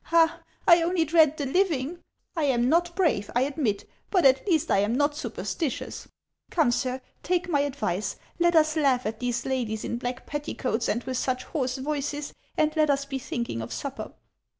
Ah, I only dread the living ! I am not brave, I admit ; but at least I am not supersti tious. Come, sir. take my advice ; let us laugh at these 244 HANS OF ICELAND. ladies iu black petticoats and with such hoarse voices, and let us be thinking of supper."